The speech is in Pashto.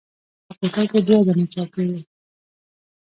په کوټه کښې دوې دانې چوکۍ وې.